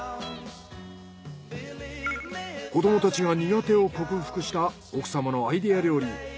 子どもたちが苦手を克服した奥様のアイデア料理。